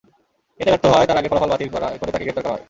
এতে ব্যর্থ হওয়ায় তার আগের ফলাফল বাতিল করে তাকে গ্রেপ্তার করা হয়।